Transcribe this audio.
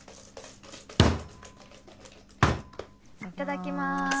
いただきます。